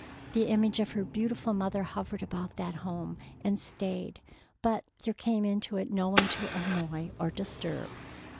The image of her beautiful mother hovered about that home and stayed, but there came into it no one to annoy or disturb.